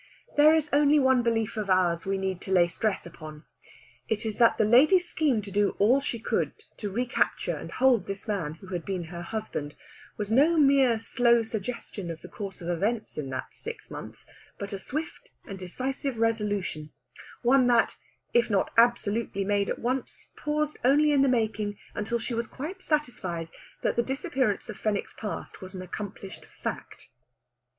There is only one belief of ours we need to lay stress upon; it is that the lady's scheme to do all she could to recapture and hold this man who had been her husband was no mere slow suggestion of the course of events in that six months, but a swift and decisive resolution one that, if not absolutely made at once, paused only in the making until she was quite satisfied that the disappearance of Fenwick's past was an accomplished fact.